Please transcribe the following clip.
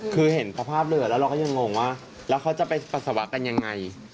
คือเห็นสภาพเรือแล้วเราก็ยังงงว่าแล้วเขาจะไปปัสสาวะกันยังไง